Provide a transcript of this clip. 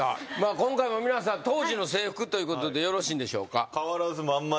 今回も皆さん当時の制服ということでよろしいんでしょうか？